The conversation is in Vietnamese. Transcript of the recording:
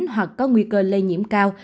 hoặc có nguy cơ lây nhiễm cao